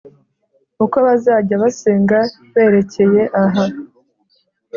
uko bazajya basenga berekeye aha